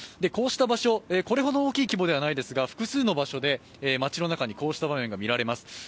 こうした場所、これほど大きい規模ではないですが複数の場所で街の中にこうした場面が見られます。